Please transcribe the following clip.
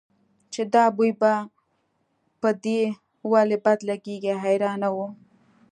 چې دا بوی به په دې ولې بد لګېږي حیرانه وه.